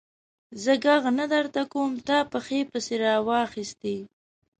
زه ږغ نه درته کوم؛ تا پښې پسې را واخيستې.